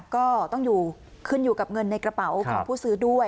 ก็ต้องอยู่ขึ้นอยู่กับเงินในกระเป๋าของผู้ซื้อด้วย